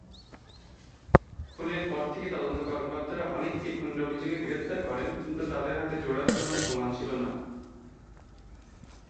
খুনের পর থেকে তদন্ত কর্মকর্তারা অনেককে খুনের অভিযোগে গ্রেফতার করেন কিন্তু তাদের হাতে জোড়ালো কোন প্রমাণ ছিলনা।